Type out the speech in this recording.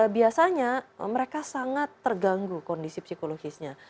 biasanya mereka sangat terganggu kondisi psikologisnya